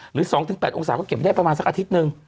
หรือ๒๘องศาก็เก็บได้ประมาณสักอาทิตย์หนึ่ง